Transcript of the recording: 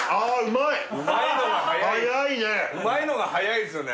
うまいのが早い早いね